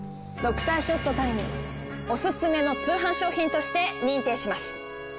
ドクターショットタイニーオススメの通販商品として認定します。